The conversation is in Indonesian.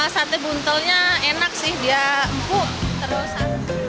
sate buntelnya enak sih dia empuk terus